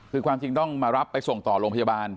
คือความจริงต้องมารับไปส่งต่อโรงพยาบาล